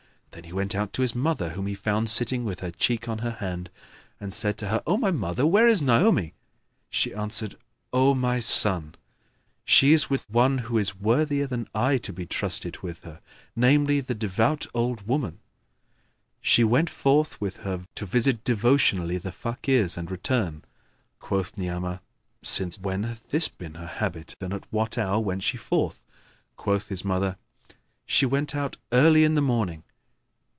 Then he went out to his mother, whom he found sitting with her cheek on her hand, and said to her, "O my mother, where is Naomi?" She answered, "O my son, she is with one who is worthier than I to be trusted with her, namely, the devout old woman; she went forth with her to visit devotionally the Fakirs and return." Quoth Ni'amah, "Since when hath this been her habit and at what hour went she forth?" Quoth his mother, "She went out early in the morning."